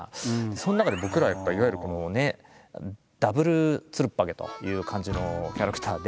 その中で僕らやっぱいわゆるこのねダブルツルッパゲという感じのキャラクターで。